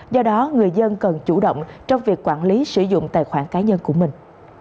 do đó người dân cần chủ động trong việc quản lý sử dụng tài khoản cá nhân của mình